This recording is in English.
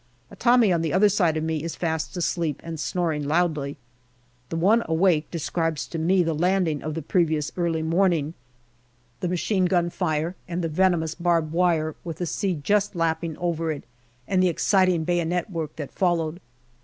A Tommy on the other side of me is fast asleep and snoring loudly. The one awake describes to me the landing of the previous early morning, the machine gun fire and the venomous barbed wire, with the sea APRIL 41 just lapping over it, and the exciting bayonet work that followed.